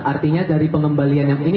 artinya dari pengembalian yang ini